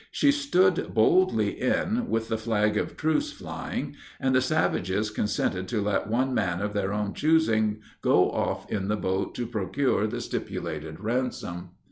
She stood boldly in, with the flag of truce flying, and the savages consented to let one man of their own choosing go off in the boat to procure the stipulated ransom.